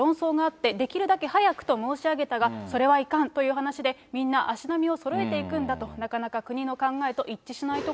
年末のころに国との間で論争があって、できるだけ早くと申し上げたが、それはいかんということで、みんな足並みをそろえていくんだと、なかなか国の考えと一致しな